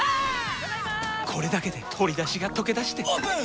これだけで鶏だしがとけだしてオープン！